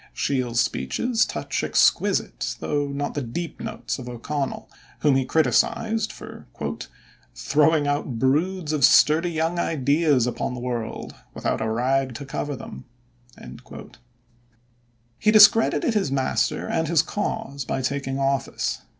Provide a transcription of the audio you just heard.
Shell's speeches touch exquisite though not the deep notes of O'Connell, whom he criticized for "throwing out broods of sturdy young ideas upon the world without a rag to cover them." He discredited his master and his cause by taking office.